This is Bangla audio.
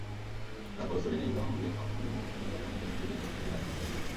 তারপরও সুইডেনে ইব্রাহিমোভিচ অপ্রতিদ্বন্দ্বী, একাদশবারের মতো পেলেন সুইডিশ বর্ষসেরা ফুটবলারের স্বীকৃতি।